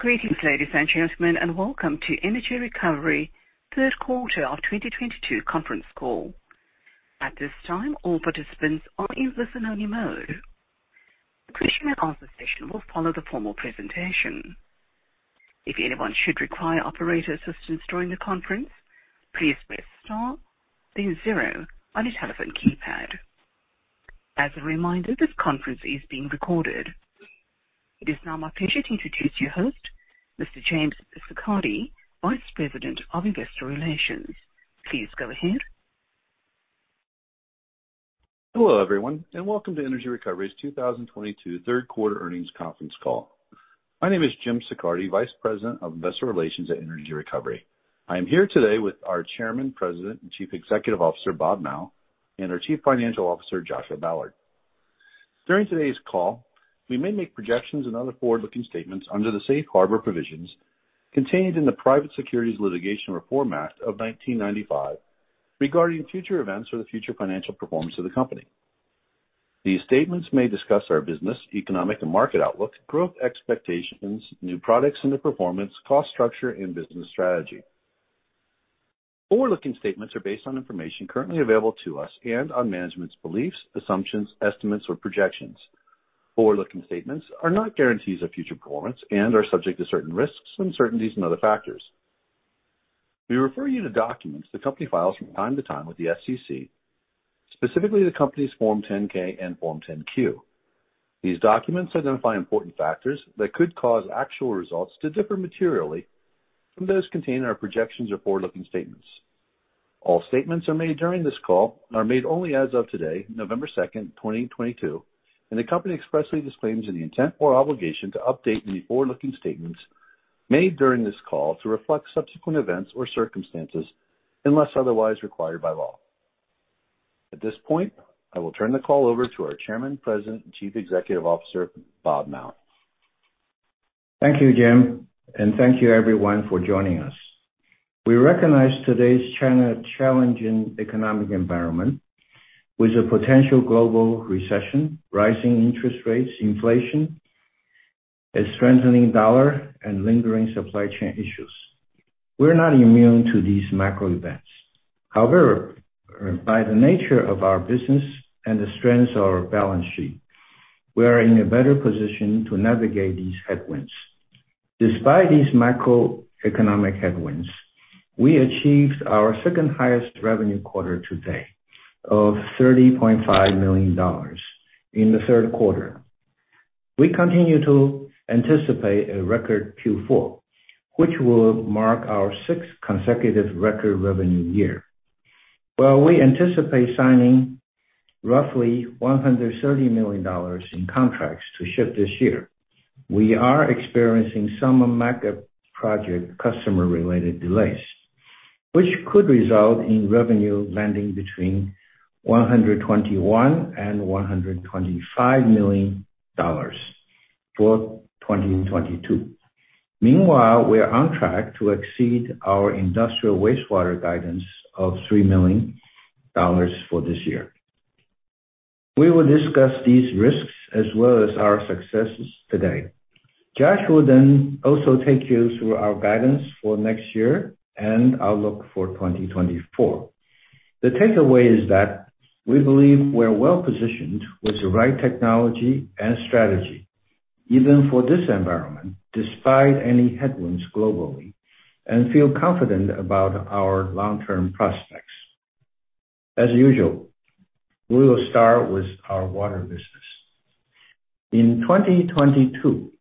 Greetings, ladies and gentlemen, and welcome to Energy Recovery third quarter of 2022 conference call. At this time, all participants are in listen-only mode. Question and answer session will follow the formal presentation. If anyone should require operator assistance during the conference, please press star then zero on your telephone keypad. As a reminder, this conference is being recorded. It is now my pleasure to introduce your host, Mr. James Siccardi, Vice President of Investor Relations. Please go ahead. Hello, everyone, and welcome to Energy Recovery's 2022 third quarter earnings conference call. My name is James Siccardi, Vice President of Investor Relations at Energy Recovery. I am here today with our Chairman, President, and Chief Executive Officer, Bob Mao, and our Chief Financial Officer, Joshua Ballard. During today's call, we may make projections and other forward-looking statements under the safe harbor provisions contained in the Private Securities Litigation Reform Act of 1995 regarding future events or the future financial performance of the company. These statements may discuss our business, economic and market outlook, growth expectations, new products and their performance, cost structure and business strategy. Forward-looking statements are based on information currently available to us and on management's beliefs, assumptions, estimates, or projections. Forward-looking statements are not guarantees of future performance and are subject to certain risks, uncertainties and other factors. We refer you to documents that the company files from time to time with the SEC, specifically the company's Form 10-K and Form 10-Q. These documents identify important factors that could cause actual results to differ materially from those contained in our projections or forward-looking statements. All statements made during this call are made only as of today, November 2nd, 2022, and the company expressly disclaims any intent or obligation to update any forward-looking statements made during this call to reflect subsequent events or circumstances unless otherwise required by law. At this point, I will turn the call over to our Chairman, President, and Chief Executive Officer, Bob Mao. Thank you, Jim, and thank you everyone for joining us. We recognize today's China challenging economic environment with a potential global recession, rising interest rates, inflation, a strengthening dollar and lingering supply chain issues. We're not immune to these macro events. However, by the nature of our business and the strength of our balance sheet, we are in a better position to navigate these headwinds. Despite these macroeconomic headwinds, we achieved our second highest revenue quarter-to-date of $30.5 million in the third quarter. We continue to anticipate a record Q4, which will mark our sixth consecutive record revenue year. While we anticipate signing roughly $130 million in contracts to ship this year, we are experiencing some mega project customer-related delays, which could result in revenue landing between $121 million and $125 million for 2022. Meanwhile, we are on track to exceed our industrial wastewater guidance of $3 million for this year. We will discuss these risks as well as our successes today. Josh will then also take you through our guidance for next year and outlook for 2024. The takeaway is that we believe we're well-positioned with the right technology and strategy, even for this environment, despite any headwinds globally, and feel confident about our long-term prospects. As usual, we will start with our water business. In 2022,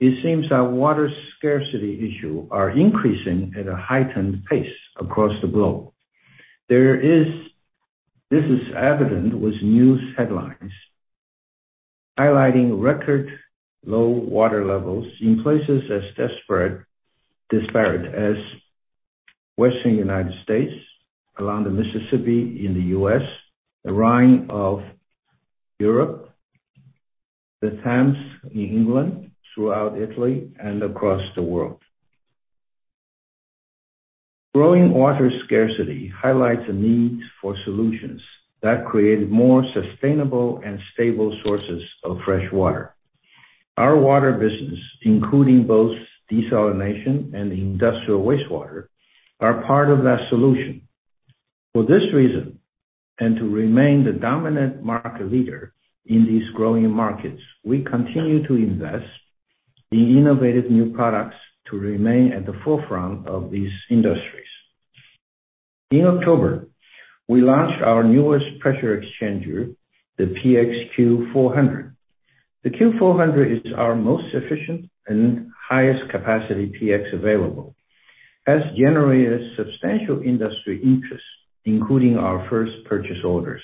it seems our water scarcity issues are increasing at a heightened pace across the globe. This is evident with news headlines highlighting record low water levels in places as disparate as western United States, along the Mississippi in the U.S., the Rhine of Europe, the Thames in England, throughout Italy and across the world. Growing water scarcity highlights a need for solutions that create more sustainable and stable sources of fresh water. Our water business, including both desalination and industrial wastewater, are part of that solution. For this reason, and to remain the dominant market leader in these growing markets, we continue to invest in innovative new products to remain at the forefront of these industries. In October, we launched our newest pressure exchanger, the PX Q400. The Q400 is our most efficient and highest capacity PX available, has generated substantial industry interest, including our first purchase orders.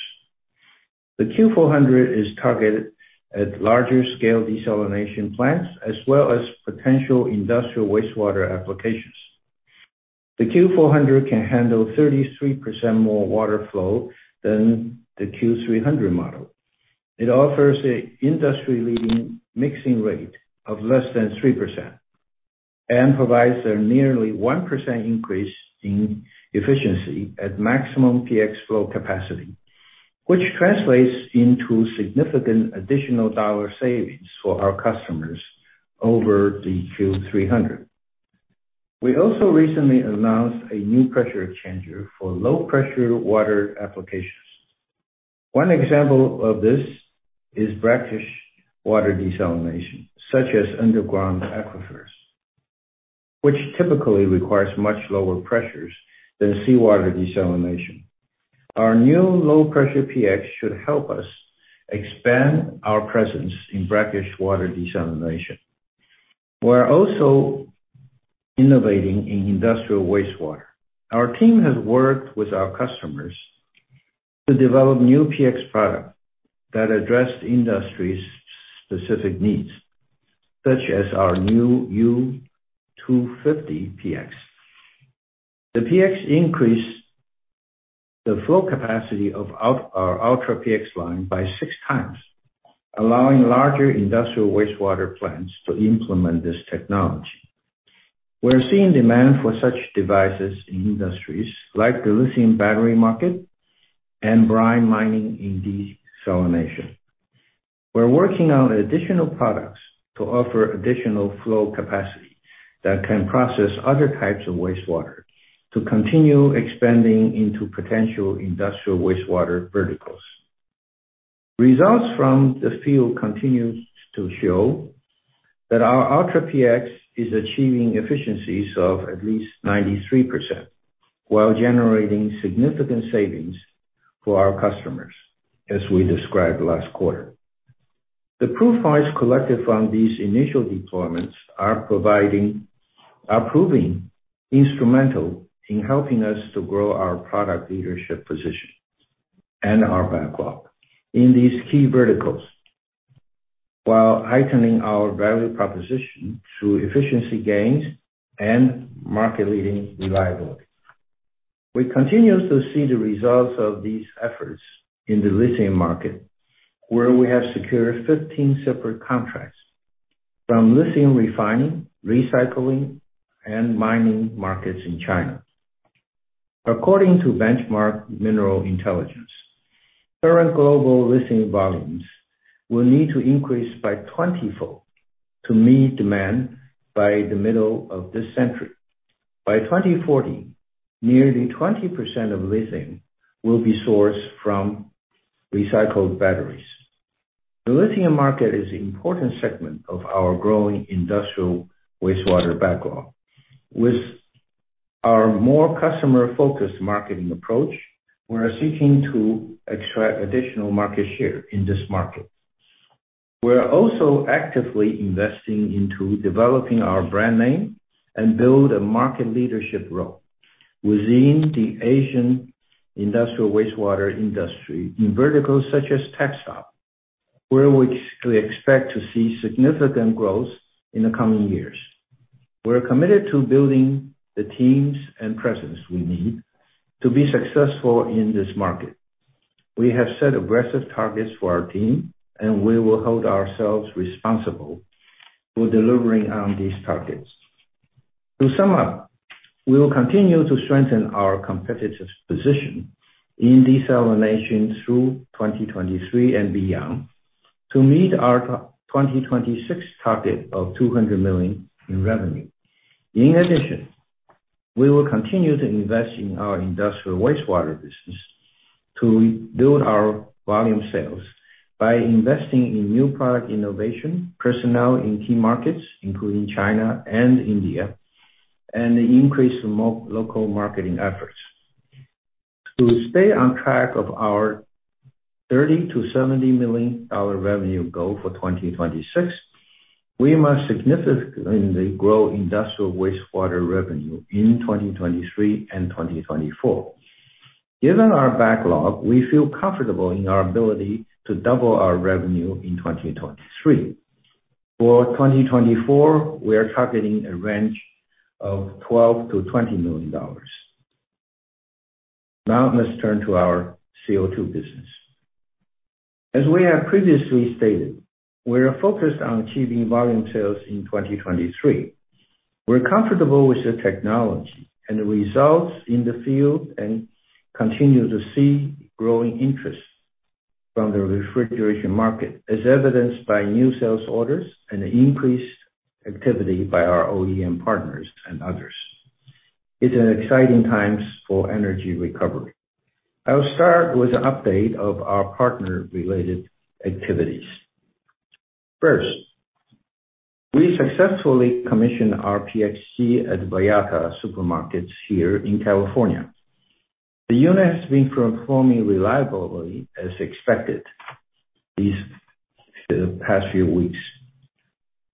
The Q400 is targeted at larger scale desalination plants as well as potential industrial wastewater applications. The Q400 can handle 33% more water flow than the Q300 model. It offers an industry-leading mixing rate of less than 3%. It provides a nearly 1% increase in efficiency at maximum PX flow capacity, which translates into significant additional dollar savings for our customers over the Q300. We also recently announced a new pressure exchanger for low pressure water applications. One example of this is brackish water desalination, such as underground aquifers, which typically requires much lower pressures than seawater desalination. Our new low pressure PX should help us expand our presence in brackish water desalination. We're also innovating in industrial wastewater. Our team has worked with our customers to develop new PX product that address industry's specific needs, such as our new U250 PX. The PX increased the flow capacity of our Ultra PX line by six times, allowing larger industrial wastewater plants to implement this technology. We're seeing demand for such devices in industries like the lithium battery market and brine mining in desalination. We're working on additional products to offer additional flow capacity that can process other types of wastewater to continue expanding into potential industrial wastewater verticals. Results from the field continues to show that our Ultra PX is achieving efficiencies of at least 93%, while generating significant savings for our customers, as we described last quarter. The proof points collected from these initial deployments are proving instrumental in helping us to grow our product leadership position and our backlog in these key verticals, while heightening our value proposition through efficiency gains and market-leading reliability. We continue to see the results of these efforts in the lithium market, where we have secured 15 separate contracts from lithium refining, recycling, and mining markets in China. According to Benchmark Mineral Intelligence, current global lithium volumes will need to increase by 20-fold to meet demand by the middle of this century. By 2040, nearly 20% of lithium will be sourced from recycled batteries. The lithium market is an important segment of our growing industrial wastewater backlog. With our more customer-focused marketing approach, we are seeking to extract additional market share in this market. We're also actively investing into developing our brand name and build a market leadership role within the Asian industrial wastewater industry in verticals such as textile, where we expect to see significant growth in the coming years. We're committed to building the teams and presence we need to be successful in this market. We have set aggressive targets for our team, and we will hold ourselves responsible for delivering on these targets. To sum up, we will continue to strengthen our competitive position in desalination through 2023 and beyond to meet our 2026 target of $200 million in revenue. In addition, we will continue to invest in our industrial wastewater business to build our volume sales by investing in new product innovation, personnel in key markets, including China and India, and increase local marketing efforts. To stay on track of our $30 million-$70 million revenue goal for 2026, we must significantly grow industrial wastewater revenue in 2023 and 2024. Given our backlog, we feel comfortable in our ability to double our revenue in 2023. For 2024, we are targeting a range of $12 million-$20 million. Now let's turn to our CO2 business. As we have previously stated, we are focused on achieving volume sales in 2023. We're comfortable with the technology and the results in the field, and continue to see growing interest from the refrigeration market as evidenced by new sales orders and increased activity by our OEM partners and others. It's an exciting times for Energy Recovery. I'll start with an update of our partner-related activities. First, we successfully commissioned our PXG at Vallarta Supermarkets here in California. The unit has been performing reliably as expected these past few weeks,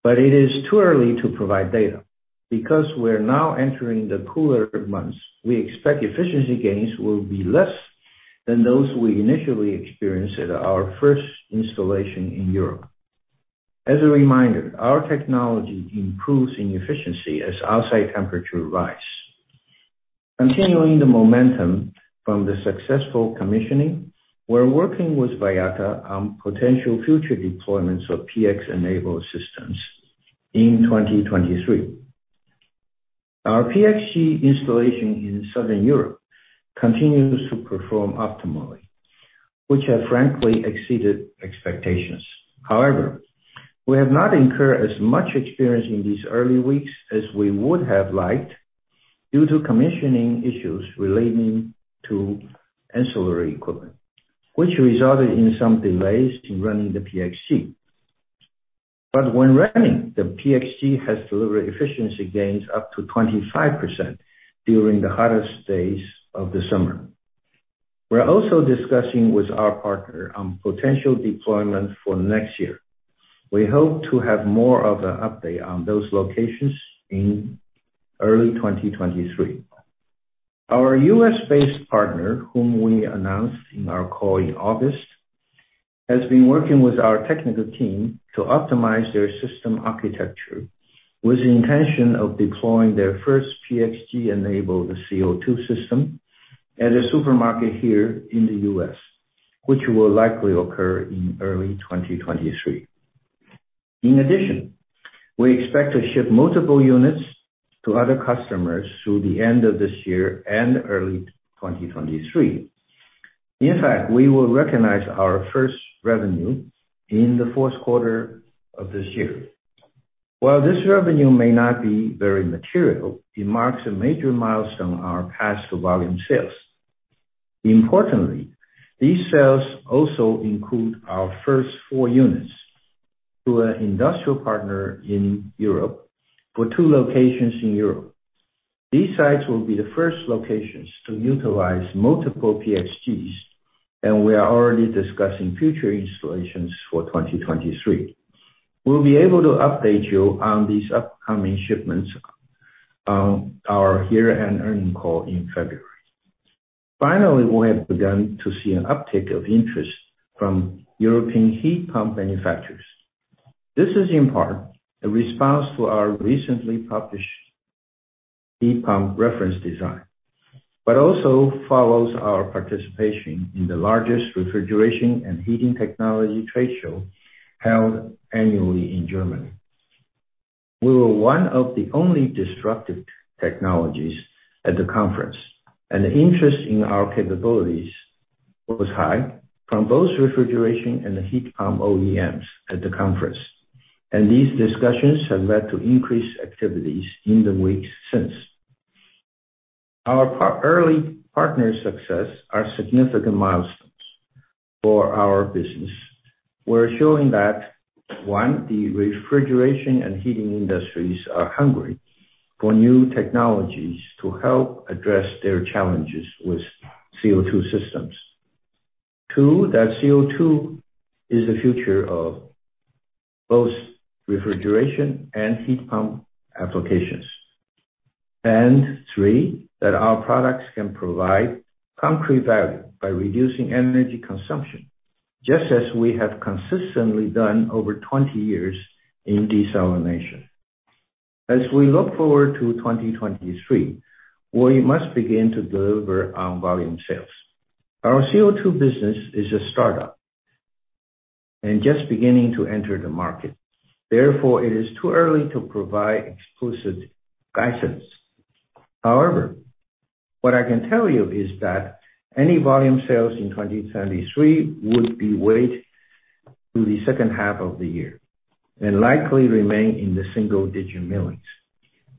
but it is too early to provide data. Because we're now entering the cooler months, we expect efficiency gains will be less than those we initially experienced at our first installation in Europe. As a reminder, our technology improves in efficiency as outside temperature rise. Continuing the momentum from the successful commissioning, we're working with Vallarta on potential future deployments of PX-enabled systems in 2023. Our PXG installation in Southern Europe continues to perform optimally, which have frankly exceeded expectations. However, we have not incurred as much experience in these early weeks as we would have liked due to commissioning issues relating to ancillary equipment, which resulted in some delays in running the PXG. When running, the PXG has delivered efficiency gains up to 25% during the hottest days of the summer. We're also discussing with our partner on potential deployment for next year. We hope to have more of an update on those locations in early 2023. Our U.S.-based partner, whom we announced in our call in August, has been working with our technical team to optimize their system architecture with the intention of deploying their first PXG-enabled CO2 system at a supermarket here in the U.S., which will likely occur in early 2023. In addition, we expect to ship multiple units to other customers through the end of this year and early 2023. In fact, we will recognize our first revenue in the fourth quarter of this year. While this revenue may not be very material, it marks a major milestone on our path to volume sales. Importantly, these sales also include our first four units to an industrial partner in Europe for two locations in Europe. These sites will be the first locations to utilize multiple PXGs, and we are already discussing future installations for 2023. We'll be able to update you on these upcoming shipments on our year-end earnings call in February. Finally, we have begun to see an uptick of interest from European heat pump manufacturers. This is in part a response to our recently published heat pump reference design, but also follows our participation in the largest refrigeration and heating technology trade show held annually in Germany. We were one of the only disruptive technologies at the conference, and the interest in our capabilities was high from both refrigeration and heat pump OEMs at the conference. These discussions have led to increased activities in the weeks since. Our early partner success are significant milestones for our business. We're showing that, one, the refrigeration and heating industries are hungry for new technologies to help address their challenges with CO2 systems. Two, that CO2 is the future of both refrigeration and heat pump applications. Three, that our products can provide concrete value by reducing energy consumption, just as we have consistently done over 20 years in desalination. As we look forward to 2023, we must begin to deliver on volume sales. Our CO2 business is a start-up and just beginning to enter the market. Therefore, it is too early to provide precise guidance. However, what I can tell you is that any volume sales in 2023 would be weighted toward the second half of the year and likely remain in the $1 million-$9 million.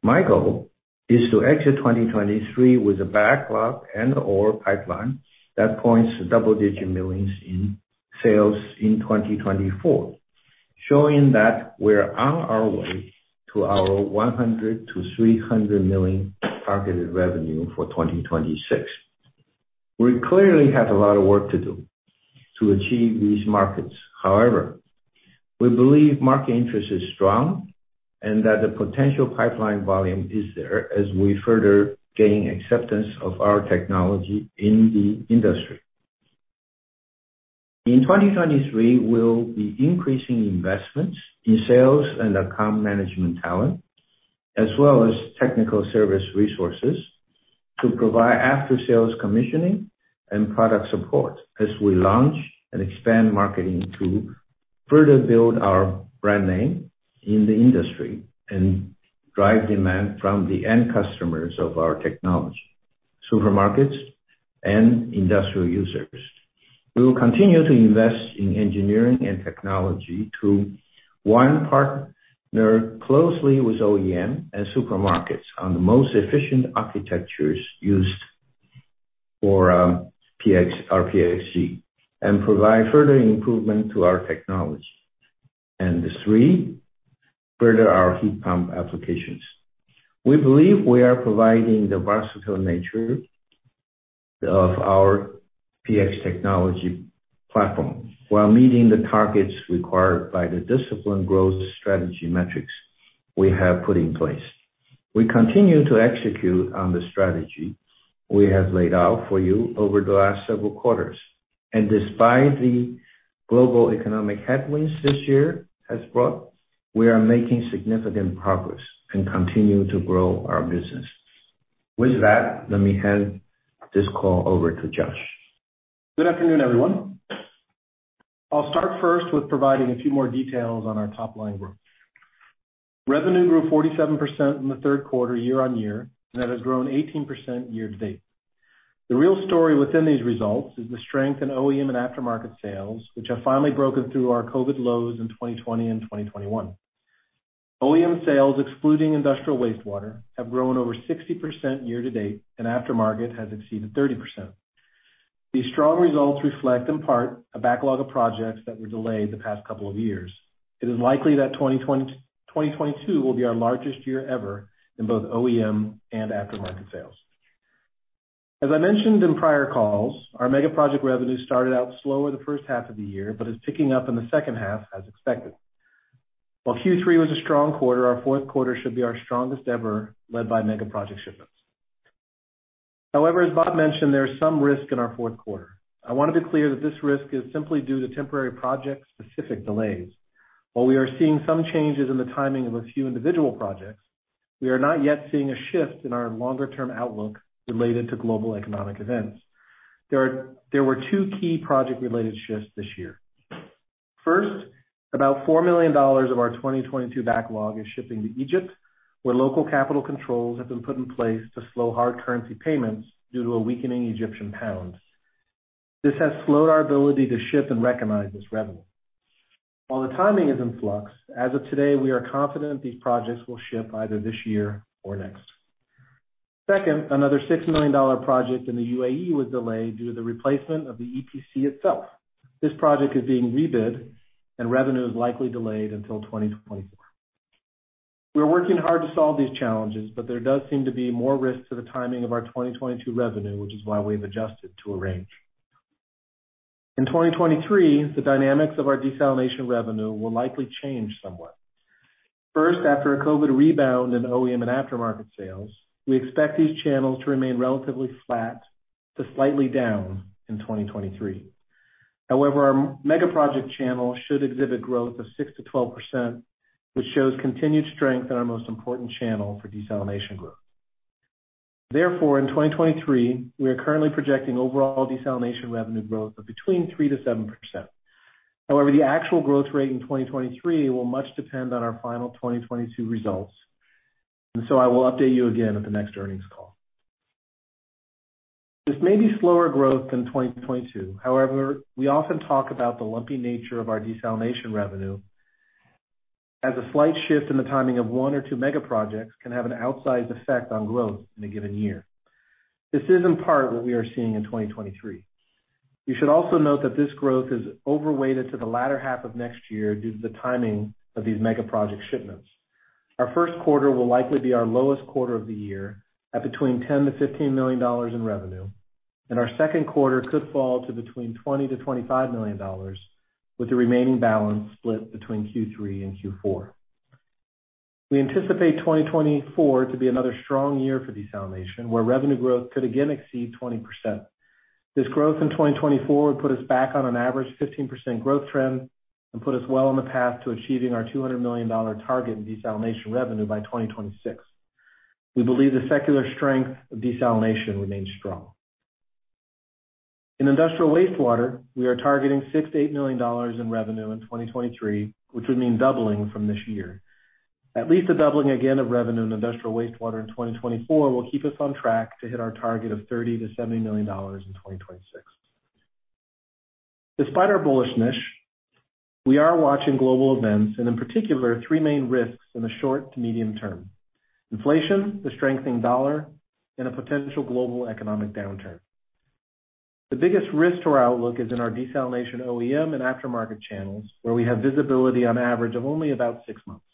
My goal is to exit 2023 with a backlog and/or pipeline that points to double-digit millions in sales in 2024, showing that we're on our way to our $100 million-$300 million targeted revenue for 2026. We clearly have a lot of work to do to achieve these markets. However, we believe market interest is strong and that the potential pipeline volume is there as we further gain acceptance of our technology in the industry. In 2023, we'll be increasing investments in sales and account management talent, as well as technical service resources, to provide after-sales commissioning and product support as we launch and expand marketing to further build our brand name in the industry and drive demand from the end customers of our technology, supermarkets and industrial users. We will continue to invest in engineering and technology to, one, partner closely with OEM and supermarkets on the most efficient architectures used for PX, our PXG, and provide further improvement to our technology. Three, further our heat pump applications. We believe we are providing the versatile nature of our PX technology platform while meeting the targets required by the disciplined growth strategy metrics we have put in place. We continue to execute on the strategy we have laid out for you over the last several quarters. Despite the global economic headwinds this year has brought, we are making significant progress and continue to grow our business. With that, let me hand this call over to Josh. Good afternoon, everyone. I'll start first with providing a few more details on our top-line growth. Revenue grew 47% in the third quarter year on year, and it has grown 18% year-to-date. The real story within these results is the strength in OEM and aftermarket sales, which have finally broken through our COVID lows in 2020 and 2021. OEM sales, excluding industrial wastewater, have grown over 60% year-to-date, and aftermarket has exceeded 30%. These strong results reflect in part a backlog of projects that were delayed the past couple of years. It is likely that 2022 will be our largest year ever in both OEM and aftermarket sales. As I mentioned in prior calls, our mega-project revenue started out slower the first half of the year, but is picking up in the second half as expected. While Q3 was a strong quarter, our fourth quarter should be our strongest ever led by mega-project shipments. However, as Bob mentioned, there is some risk in our fourth quarter. I want to be clear that this risk is simply due to temporary project-specific delays. While we are seeing some changes in the timing of a few individual projects, we are not yet seeing a shift in our longer-term outlook related to global economic events. There were two key project-related shifts this year. First, about $4 million of our 2022 backlog is shipping to Egypt, where local capital controls have been put in place to slow hard currency payments due to a weakening Egyptian pound. This has slowed our ability to ship and recognize this revenue. While the timing is in flux, as of today, we are confident these projects will ship either this year or next. Second, another $6 million project in the UAE was delayed due to the replacement of the EPC itself. This project is being rebid and revenue is likely delayed until 2024. We are working hard to solve these challenges, but there does seem to be more risk to the timing of our 2022 revenue, which is why we've adjusted to a range. In 2023, the dynamics of our desalination revenue will likely change somewhat. First, after a COVID rebound in OEM and aftermarket sales, we expect these channels to remain relatively flat to slightly down in 2023. However, our mega-project channel should exhibit growth of 6%-12%, which shows continued strength in our most important channel for desalination growth. Therefore, in 2023, we are currently projecting overall desalination revenue growth of between 3%-7%. However, the actual growth rate in 2023 will much depend on our final 2022 results, and so I will update you again at the next earnings call. This may be slower growth than 2022. However, we often talk about the lumpy nature of our desalination revenue as a slight shift in the timing of one or two mega-projects can have an outsized effect on growth in a given year. This is in part what we are seeing in 2023. You should also note that this growth is overweighted to the latter half of next year due to the timing of these mega-project shipments. Our first quarter will likely be our lowest quarter of the year at between $10 million-$15 million in revenue, and our second quarter could fall to between $20 million-$25 million, with the remaining balance split between Q3 and Q4. We anticipate 2024 to be another strong year for desalination, where revenue growth could again exceed 20%. This growth in 2024 would put us back on an average 15% growth trend and put us well on the path to achieving our $200 million target in desalination revenue by 2026. We believe the secular strength of desalination remains strong. In industrial wastewater, we are targeting $6 million-$8 million in revenue in 2023, which would mean doubling from this year. At least a doubling again of revenue in industrial wastewater in 2024 will keep us on track to hit our target of $30 million-$70 million in 2026. Despite our bullish niche, we are watching global events and in particular three main risks in the short to medium term. Inflation, the strengthening dollar, and a potential global economic downturn. The biggest risk to our outlook is in our desalination OEM and aftermarket channels, where we have visibility on average of only about 6 months.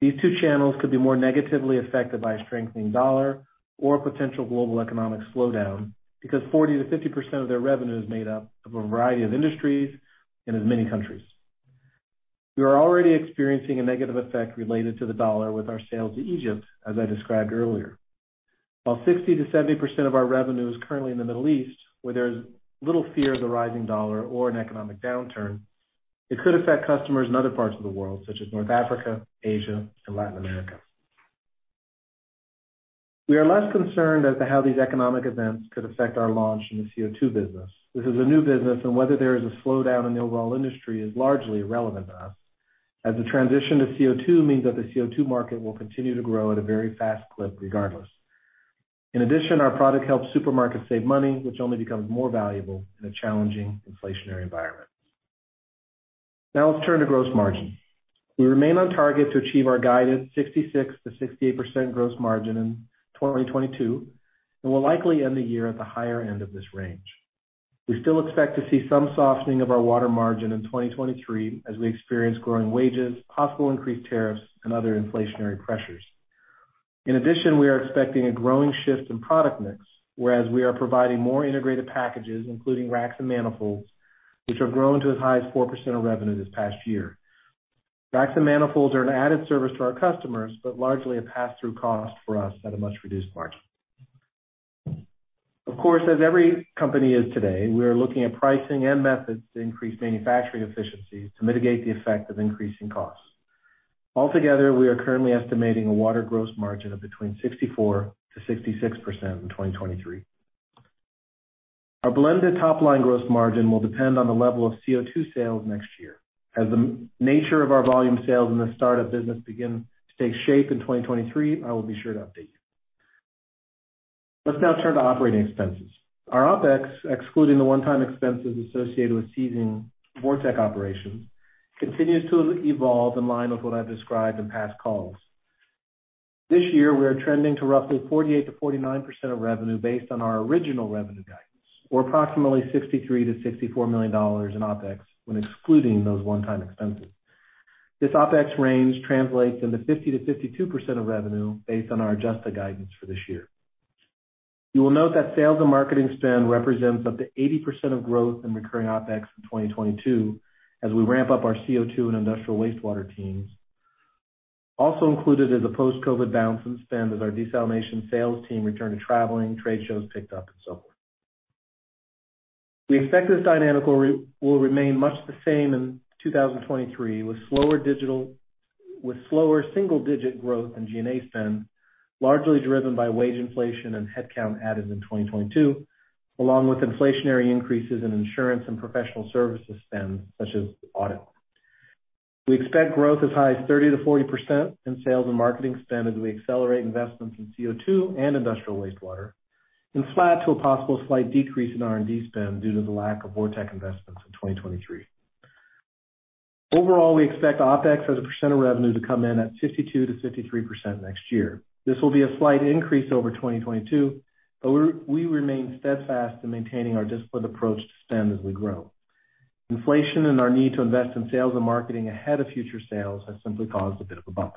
These two channels could be more negatively affected by a strengthening dollar or potential global economic slowdown because 40%-50% of their revenue is made up of a variety of industries and as many countries. We are already experiencing a negative effect related to the dollar with our sales to Egypt, as I described earlier. While 60%-70% of our revenue is currently in the Middle East, where there's little fear of the rising dollar or an economic downturn, it could affect customers in other parts of the world, such as North Africa, Asia, and Latin America. We are less concerned as to how these economic events could affect our launch in the CO2 business. This is a new business, and whether there is a slowdown in the overall industry is largely irrelevant to us, as the transition to CO2 means that the CO2 market will continue to grow at a very fast clip regardless. In addition, our product helps supermarkets save money, which only becomes more valuable in a challenging inflationary environment. Now let's turn to gross margin. We remain on target to achieve our guidance 66%-68% gross margin in 2022, and will likely end the year at the higher end of this range. We still expect to see some softening of our water margin in 2023 as we experience growing wages, possible increased tariffs, and other inflationary pressures. In addition, we are expecting a growing shift in product mix, whereas we are providing more integrated packages, including racks and manifolds, which have grown to as high as 4% of revenue this past year. Racks and manifolds are an added service to our customers, but largely a pass-through cost for us at a much reduced margin. Of course, as every company is today, we are looking at pricing and methods to increase manufacturing efficiencies to mitigate the effect of increasing costs. Altogether, we are currently estimating a water gross margin of between 64%-66% in 2023. Our blended top line gross margin will depend on the level of CO2 sales next year. As the nature of our volume sales in the store business begin to take shape in 2023, I will be sure to update you. Let's now turn to operating expenses. Our OpEx, excluding the one-time expenses associated with ceasing Vorteq operations, continues to evolve in line with what I've described in past calls. This year we are trending to roughly 48%-49% of revenue based on our original revenue guidance, or approximately $63 million-$64 million in OpEx when excluding those one-time expenses. This OpEx range translates into 50%-52% of revenue based on our adjusted guidance for this year. You will note that sales and marketing spend represents up to 80% of growth in recurring OpEx in 2022, as we ramp up our CO2 and industrial wastewater teams. Also included is a post-COVID bounce in spend as our desalination sales team returned to traveling, trade shows picked up, and so forth. We expect this dynamic will remain much the same in 2023, with slower single-digit growth in G&A spend, largely driven by wage inflation and headcount added in 2022, along with inflationary increases in insurance and professional services spend, such as audit. We expect growth as high as 30%-40% in sales and marketing spend as we accelerate investments in CO2 and industrial wastewater, and flat to a possible slight decrease in R&D spend due to the lack of Vorteq investments in 2023. Overall, we expect OpEx as a percent of revenue to come in at 52%-53% next year. This will be a slight increase over 2022, but we remain steadfast in maintaining our disciplined approach to spend as we grow. Inflation and our need to invest in sales and marketing ahead of future sales has simply caused a bit of a bump.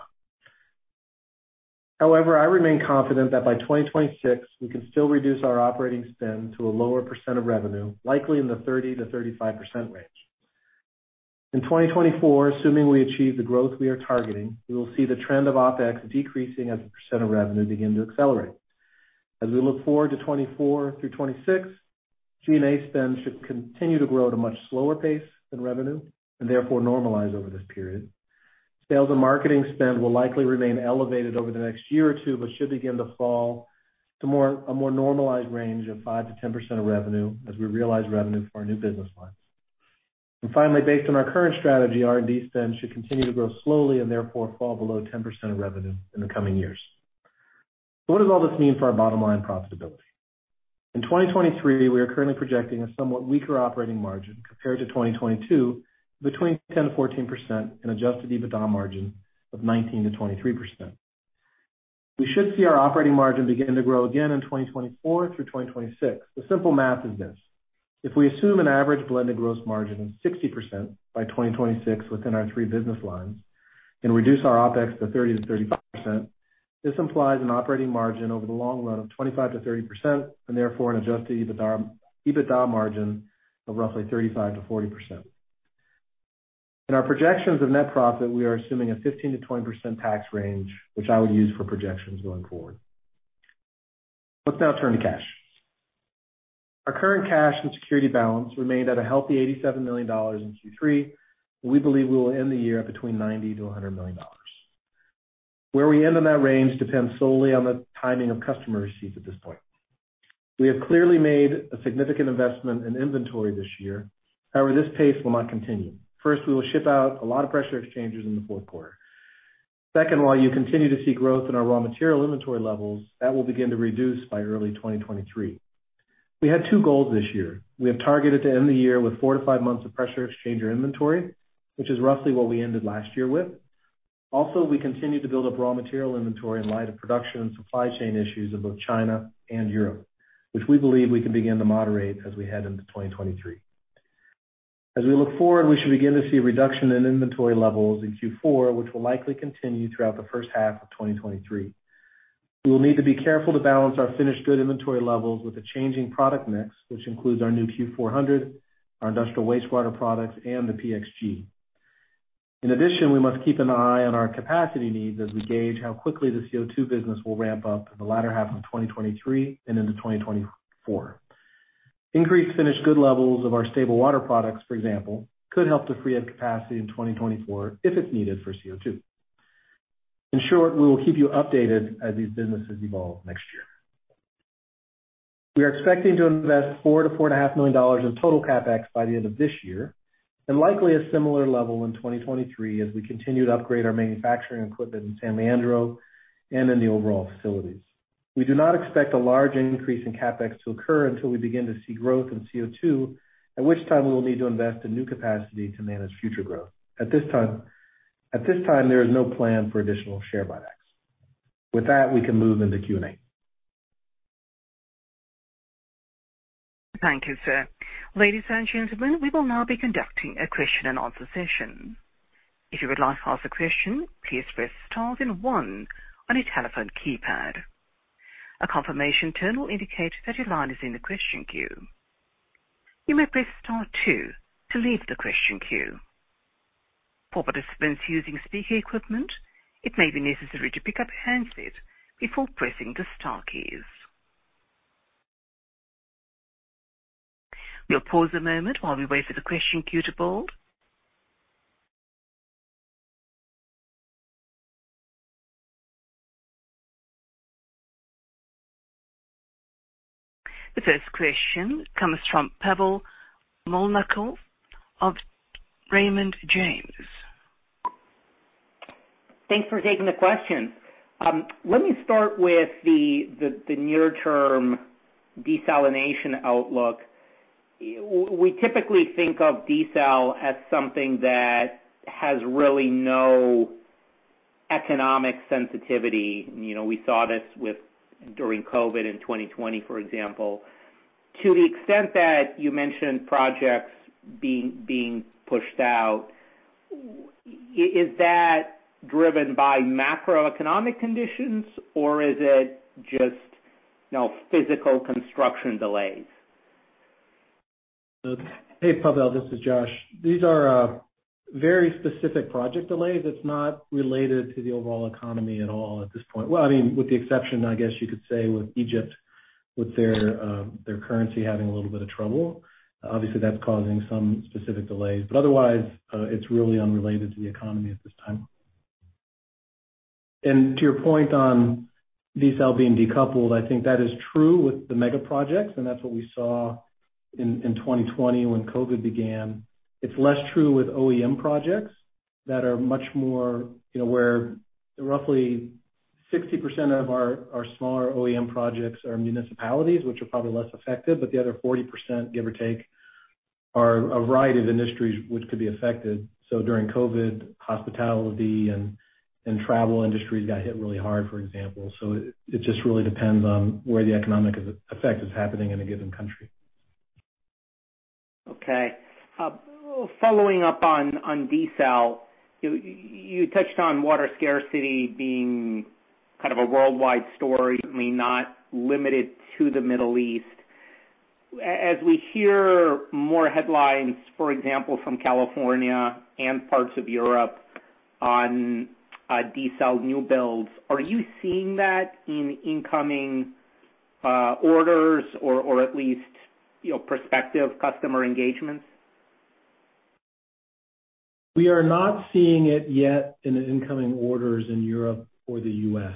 However, I remain confident that by 2026 we can still reduce our operating spend to a lower percent of revenue, likely in the 30%-35% range. In 2024, assuming we achieve the growth we are targeting, we will see the trend of OpEx decreasing as a percent of revenue begin to accelerate. As we look forward to 2024 through 2026, G&A spend should continue to grow at a much slower pace than revenue and therefore normalize over this period. Sales and marketing spend will likely remain elevated over the next year or two, but should begin to fall to a more normalized range of 5%-10% of revenue as we realize revenue for our new business lines. Finally, based on our current strategy, R&D spend should continue to grow slowly and therefore fall below 10% of revenue in the coming years. What does all this mean for our bottom line profitability? In 2023, we are currently projecting a somewhat weaker operating margin compared to 2022, between 10%-14% and Adjusted EBITDA margin of 19%-23%. We should see our operating margin begin to grow again in 2024 through 2026. The simple math is this. If we assume an average blended gross margin of 60% by 2026 within our three business lines and reduce our OpEx to 30%-31%, this implies an operating margin over the long run of 25%-30% and therefore an Adjusted EBITDA margin of roughly 35%-40%. In our projections of net profit, we are assuming a 15%-20% tax range, which I would use for projections going forward. Let's now turn to cash. Our current cash and security balance remained at a healthy $87 million in Q3. We believe we will end the year at between $90 million-$100 million. Where we end in that range depends solely on the timing of customer receipts at this point. We have clearly made a significant investment in inventory this year. However, this pace will not continue. First, we will ship out a lot of pressure exchangers in the fourth quarter. Second, while you continue to see growth in our raw material inventory levels, that will begin to reduce by early 2023. We had two goals this year. We have targeted to end the year with 4-5 months of pressure exchanger inventory, which is roughly what we ended last year with. Also, we continued to build up raw material inventory in light of production and supply chain issues in both China and Europe, which we believe we can begin to moderate as we head into 2023. As we look forward, we should begin to see a reduction in inventory levels in Q4, which will likely continue throughout the first half of 2023. We will need to be careful to balance our finished good inventory levels with a changing product mix, which includes our new Q400, our industrial wastewater products, and the PXG. In addition, we must keep an eye on our capacity needs as we gauge how quickly the CO2 business will ramp up in the latter half of 2023 and into 2024. Increased finished good levels of our stable water products, for example, could help to free up capacity in 2024 if it's needed for CO2. In short, we will keep you updated as these businesses evolve next year. We are expecting to invest $4 million-$4.5 million in total CapEx by the end of this year and likely a similar level in 2023 as we continue to upgrade our manufacturing equipment in San Leandro and in the overall facilities. We do not expect a large increase in CapEx to occur until we begin to see growth in CO2, at which time we will need to invest in new capacity to manage future growth. At this time, there is no plan for additional share buybacks. With that, we can move into Q&A. Thank you, sir. Ladies and gentlemen, we will now be conducting a question and answer session. If you would like to ask a question, please press star then one on your telephone keypad. A confirmation tone will indicate that your line is in the question queue. You may press star two to leave the question queue. For participants using speaker equipment, it may be necessary to pick up a handset before pressing the star keys. We'll pause a moment while we wait for the question queue to build. The first question comes from Pavel Molchanov of Raymond James. Thanks for taking the questions. Let me start with the near term desalination outlook. We typically think of desal as something that has really no economic sensitivity. You know, we saw this during COVID in 2020, for example. To the extent that you mentioned projects being pushed out, is that driven by macroeconomic conditions or is it just, you know, physical construction delays? Hey, Pavel Molchanov, this is Josh. These are very specific project delays. It's not related to the overall economy at all at this point. Well, I mean, with the exception, I guess you could say with Egypt, with their currency having a little bit of trouble. Obviously, that's causing some specific delays. But otherwise, it's really unrelated to the economy at this time. To your point on desal being decoupled, I think that is true with the mega projects, and that's what we saw in 2020 when COVID began. It's less true with OEM projects that are much more, you know, where roughly 60% of our smaller OEM projects are municipalities, which are probably less affected, but the other 40%, give or take, are a variety of industries which could be affected. During COVID, hospitality and travel industries got hit really hard, for example. It just really depends on where the economic effect is happening in a given country. Okay. Following up on desal, you touched on water scarcity being kind of a worldwide story, certainly not limited to the Middle East. As we hear more headlines, for example, from California and parts of Europe on desal new builds, are you seeing that in incoming orders or at least, you know, prospective customer engagements? We are not seeing it yet in incoming orders in Europe or the U.S.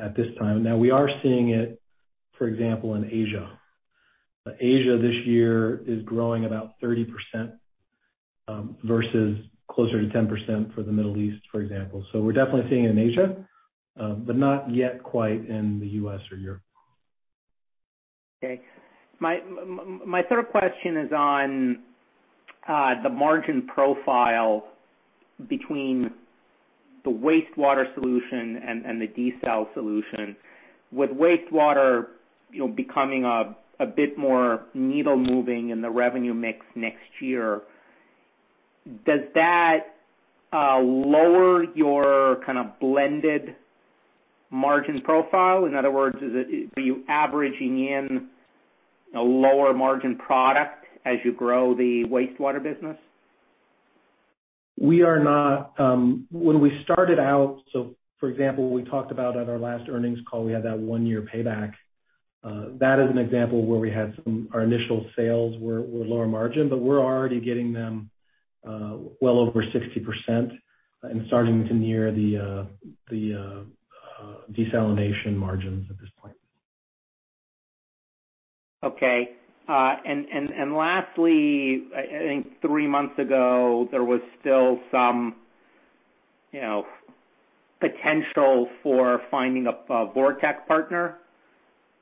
at this time. Now, we are seeing it, for example, in Asia. Asia this year is growing about 30%, versus closer to 10% for the Middle East, for example. We're definitely seeing it in Asia, but not yet quite in the U.S. or Europe. Okay. My third question is on the margin profile between the wastewater solution and the desal solution. With wastewater, you know, becoming a bit more needle-moving in the revenue mix next year, does that lower your kind of blended margin profile? In other words, are you averaging in a lower margin product as you grow the wastewater business? When we started out, for example, we talked about at our last earnings call, we had that one-year payback. That is an example where we had our initial sales were lower margin, but we're already getting them well over 60% and starting to near the desalination margins at this point. Okay. Lastly, I think three months ago there was still some, you know, potential for finding a Vorteq partner.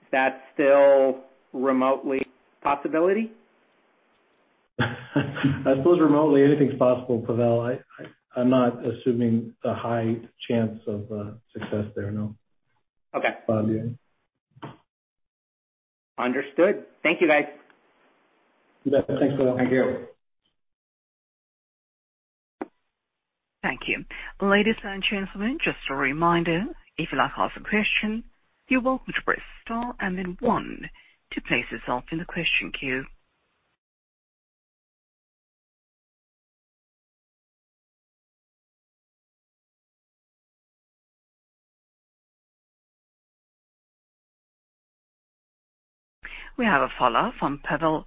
Is that still remotely a possibility? I suppose remotely anything's possible, Pavel. I'm not assuming a high chance of success there. No. Okay. Probably, yeah. Understood. Thank you, guys. You bet. Thanks, Pavel. Thank you. Ladies and gentlemen, just a reminder, if you'd like to ask a question, you're welcome to press star and then one to place yourself in the question queue. We have a follow-up from Pavel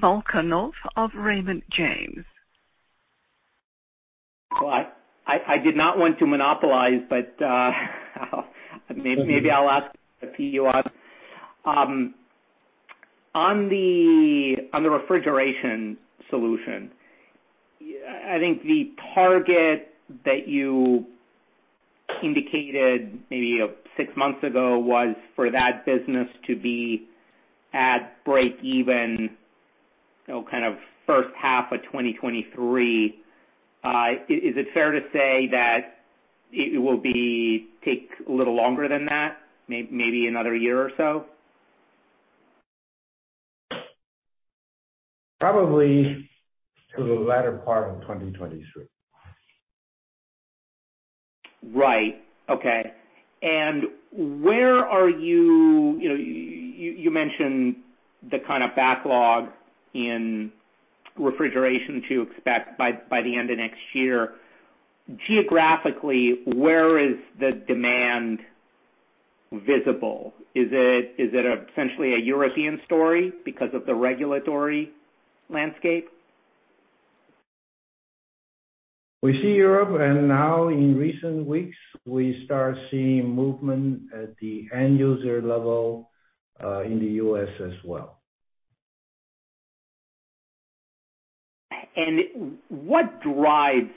Molchanov of Raymond James. I did not want to monopolize. On the refrigeration solution, I think the target that you indicated maybe six months ago was for that business to be at breakeven, you know, kind of first half of 2023. Is it fair to say that it will take a little longer than that, maybe another year or so? Probably to the latter part of 2023. Right. Okay. You know, you mentioned the kind of backlog in refrigeration to expect by the end of next year. Geographically, where is the demand visible? Is it essentially a European story because of the regulatory landscape? We see Europe, and now in recent weeks, we start seeing movement at the end user level, in the U.S. as well. What drives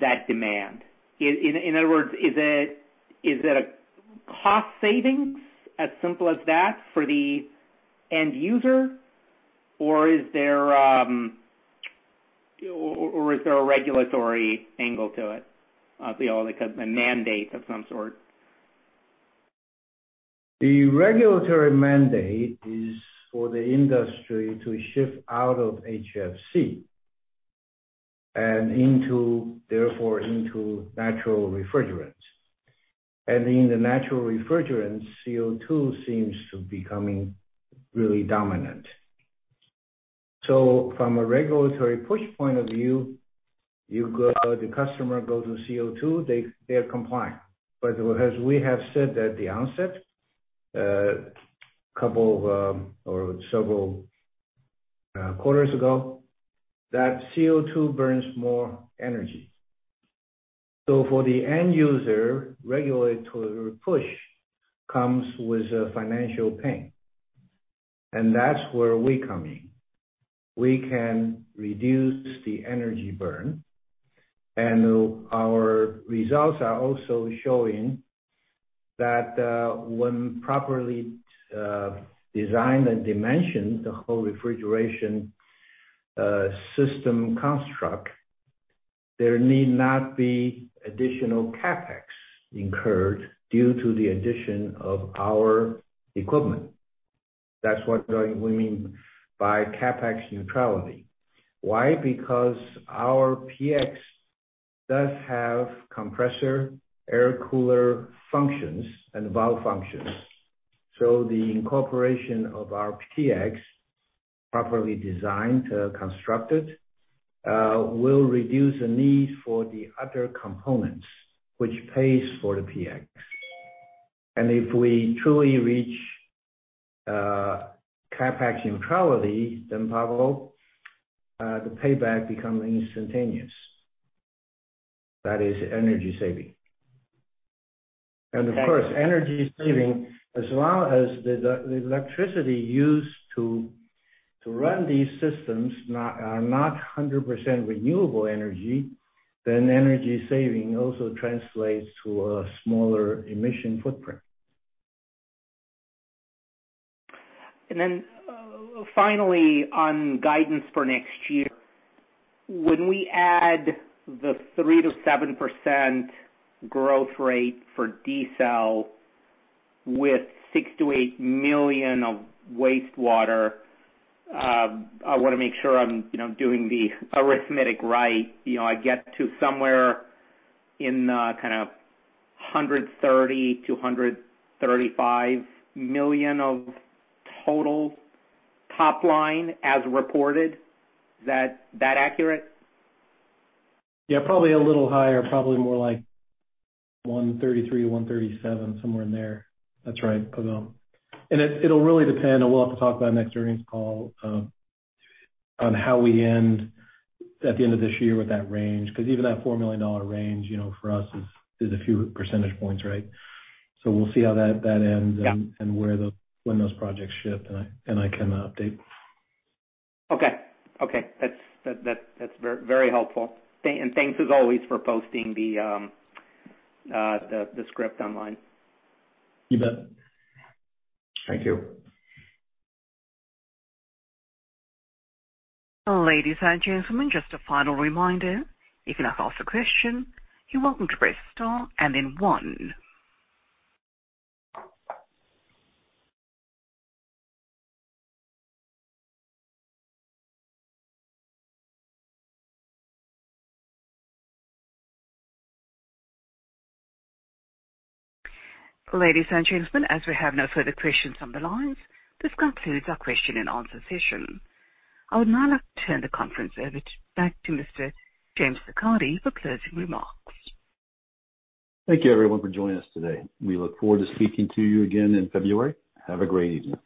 that demand? In other words, is it a cost savings as simple as that for the end user, or is there a regulatory angle to it? You know, like a mandate of some sort. The regulatory mandate is for the industry to shift out of HFC and into, therefore, into natural refrigerants. In the natural refrigerants, CO2 seems to be coming really dominant. From a regulatory push point of view, the customer goes to CO2, they're compliant. As we have said at the onset, couple of, or several, quarters ago, that CO2 burns more energy. For the end user, regulatory push comes with a financial pain, and that's where we come in. We can reduce the energy burn, and our results are also showing that, when properly, designed and dimensioned, the whole refrigeration, system construct, there need not be additional CapEx incurred due to the addition of our equipment. That's what we mean by CapEx neutrality. Why? Because our PX does have compressor, air cooler functions and valve functions. The incorporation of our PX, properly designed, constructed, will reduce the need for the other components, which pays for the PX. If we truly reach CapEx neutrality, then, Pavel, the payback becomes instantaneous. That is energy saving. Of course, energy saving as well as the electricity used to run these systems are not 100% renewable energy, then energy saving also translates to a smaller emission footprint. Finally, on guidance for next year, when we add the 3%-7% growth rate for desal with $6 million-$8 million of wastewater, I wanna make sure I'm, you know, doing the arithmetic right. You know, I get to somewhere in, kind of $130 million-$135 million of total top line as reported. Is that accurate? Yeah, probably a little higher. Probably more like $133 million-$137 million, somewhere in there. That's right, Pavel. It'll really depend, and we'll have to talk about next earnings call on how we end at the end of this year with that range, because even that $4 million range, you know, for us is a few percentage points, right? We'll see how that ends. Yeah. When those projects ship, and I can update. Okay. That's very helpful. Thanks as always for posting the script online. You bet. Thank you. Ladies and gentlemen, just a final reminder. If you'd like to ask a question, you're welcome to press star and then one. Ladies and gentlemen, as we have no further questions on the lines, this concludes our question and answer session. I would now like to turn the conference back to Mr. James Siccardi for closing remarks. Thank you everyone for joining us today. We look forward to speaking to you again in February. Have a great evening.